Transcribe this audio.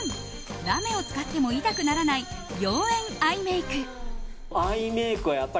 ラメを使ってもイタくならない妖艶アイメイク。